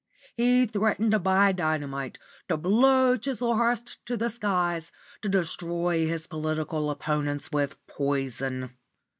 He threatened to buy dynamite, to blow Chislehurst to the skies, to destroy his political opponents with poison.